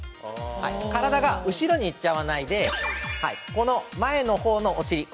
体が後ろに行っちゃわないでこの前のほうのお尻